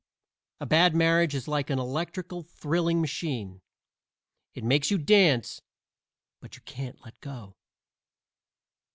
A bad marriage is like an electrical thrilling machine: it makes you dance, but you can't let go.